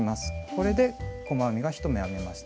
これで細編みが１目編めました。